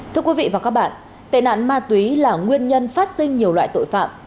thưa quý vị và các bạn tệ nạn ma túy là nguyên nhân phát sinh nhiều loại tội phạm